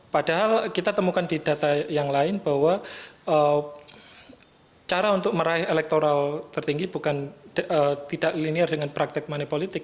padahal kita temukan di data yang lain bahwa cara untuk meraih elektoral tertinggi bukan tidak linear dengan praktek manipolitik